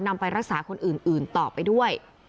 ไปรักษาคนอื่นต่อไปด้วย